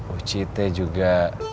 uci teh juga